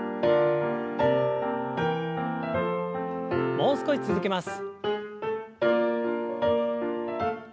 もう少し続けます。